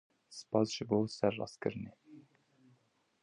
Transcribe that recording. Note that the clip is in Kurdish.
Spas ji bo serrastkirinê.